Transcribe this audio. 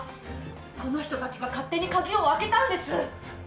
この人たちが勝手に鍵を開けたんです！